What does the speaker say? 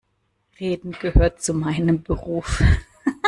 Reden gehört zu meinem Beruf.